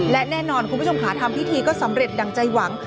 และแน่นอนคุณผู้ชมค่ะทำพิธีก็สำเร็จดั่งใจหวัง